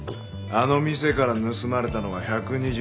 あの店から盗まれたのは１２６パック。